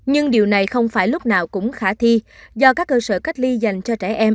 nhưng điều này không phải lúc nào cũng khả thi do các cơ sở cách ly dành cho trẻ em